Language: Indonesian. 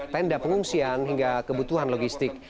tenda pengungsian hingga kebutuhan logistik